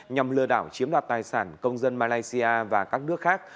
nhằm lừa đảo chiếm đoạt tài sản công dân malaysia và các nước khác